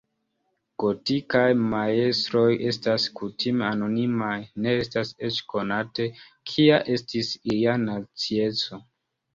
Gotikaj majstroj estas kutime anonimaj, ne estas eĉ konate, kia estis ilia nacieco.